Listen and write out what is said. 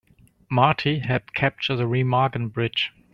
Marty helped capture the Remagen Bridge.